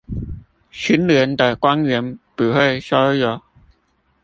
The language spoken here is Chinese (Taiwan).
清廉的官員不會收賄